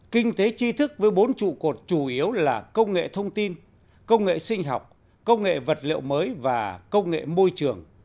kinh tế chi thức với bốn trụ cột chủ yếu là công nghệ thông tin công nghệ sinh học công nghệ vật liệu mới và công nghệ môi trường